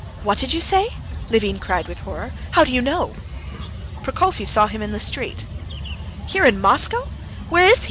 "What did you say?" Levin cried with horror. "How do you know?" "Prokofy saw him in the street." "Here in Moscow? Where is he?